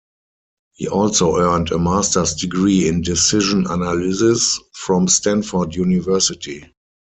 He also earned a master's degree in Decision Analysis from Stanford University.